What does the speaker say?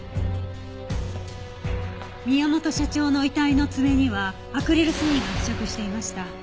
宮本社長の遺体の爪にはアクリル繊維が付着していました。